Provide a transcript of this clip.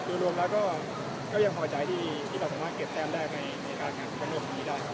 แต่คือรวมแล้วก็ยังหอใจที่ประสบความเกล็ดแทนแรงในการการการโรคที่นี้ได้